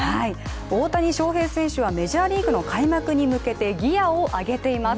大谷翔平選手はメジャーリーグの開幕に向けてギアを上げています。